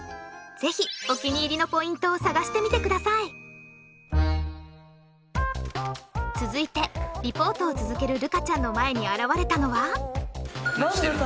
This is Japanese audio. ぜひお気に入りのポイントを探してみてください続いてリポートを続ける瑠香ちゃんの前に現れたのはできてる？